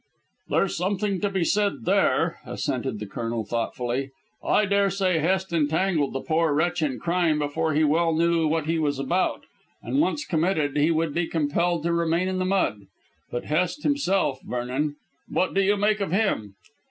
"There's something to be said there," assented the Colonel thoughtfully. "I daresay Hest entangled the poor wretch in crime before he well knew what he was about, and once committed he would be compelled to remain in the mud. But Hest himself, Vernon. What do you make of him?"